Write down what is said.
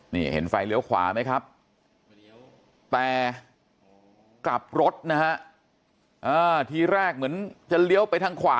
นี่เห็นไฟเลี้ยวขวาไหมครับแต่กลับรถนะฮะทีแรกเหมือนจะเลี้ยวไปทางขวา